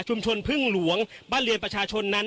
พึ่งหลวงบ้านเรือนประชาชนนั้น